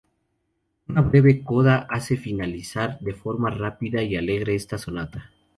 Una breve coda hace finalizar de forma rápida y alegre esta sonata.